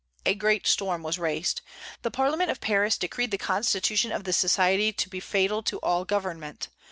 A great storm was raised. The Parliament of Paris decreed the constitution of the Society to be fatal to all government.